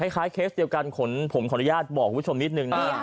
คล้ายเคสเดียวกันขนผมขออนุญาตบอกคุณผู้ชมนิดนึงนะ